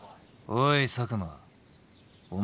おい佐久間お前